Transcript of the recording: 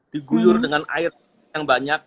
di guyur dengan air yang banyak